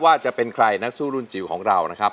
ว่าจะเป็นใครนักสู้รุ่นจิวของเรา